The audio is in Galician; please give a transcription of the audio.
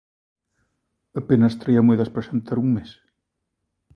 Apenas traía moedas para xantar un mes.